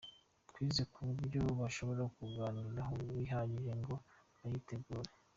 Twize ku buryo bashobora kuganiraho bihagije ngo bayitegure.